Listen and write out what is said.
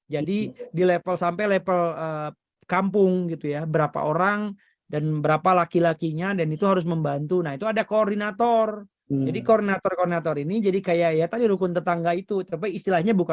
jepang jawa tengah